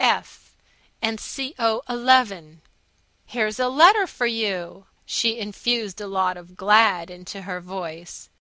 F. and Co. 11. "Here's a letter for you!" She infused a lot of Glad into her voice.